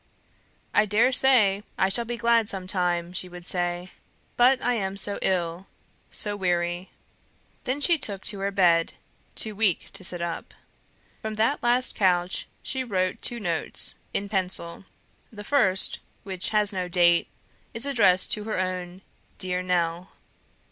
"I dare say I shall be glad some time," she would say; "but I am so ill so weary " Then she took to her bed, too weak to sit up. From that last couch she wrote two notes in pencil. The first, which has no date, is addressed to her own "Dear Nell."